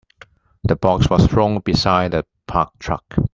The box was thrown beside the parked truck.